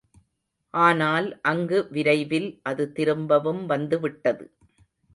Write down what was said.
ஆனால், அங்கு விரைவில் அது திரும்பவும் வந்துவிட்டது.